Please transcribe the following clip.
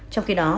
trong khi đó